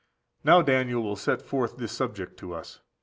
Now Daniel will set forth this subject to us.